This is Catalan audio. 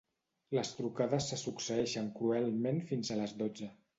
Les trucades se succeeixen cruelment fins a les dotze.